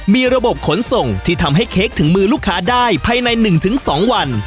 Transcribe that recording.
มีระบบขนส่งที่ทำให้เค้กถึงมือลูกค้าได้ภายใน๑๒วัน